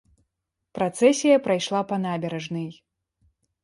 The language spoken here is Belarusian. Працэсія прайшла па набярэжнай.